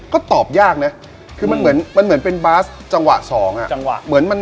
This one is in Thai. ก็ตอบยากนะคือมันเหมือนเป็นบาร์สจังหวะ๒อ่ะ